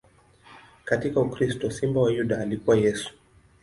Katika ukristo, Simba wa Yuda alikuwa Yesu.